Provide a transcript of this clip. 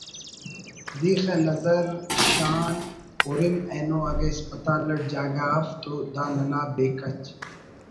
دیخہ نظر شان ہرن اینو اگہ ہسپتال اٹ جاگہ اف تو دا ننا بے کچ